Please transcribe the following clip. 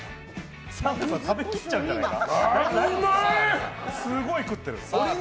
澤部食べきっちゃうんじゃないか？